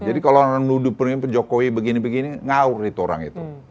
jadi kalau orang orang penuh penuhnya jokowi begini begini ngaur itu orang itu